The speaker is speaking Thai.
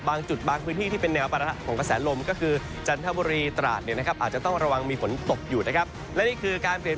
บางจุดบางพื้นที่ที่เป็นแนวปรัฐะของกระแสโลม